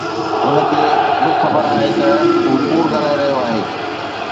هن کي به خبر آهي ته هو ڪوڙ ڳالهائي رهيو آهي